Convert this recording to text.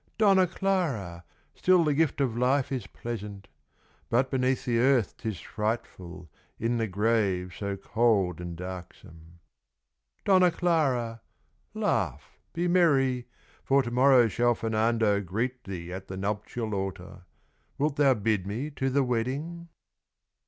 Donna Clara! Still the gift of life is pleasant. But beneath the earth 'tis frightful, In the grave so cold and darksome. "Donna Clara! Laugh, be merry, For to morrow shall Fernando Greet thee at the nuptial altar. Wilt thou bid me to the wedding?"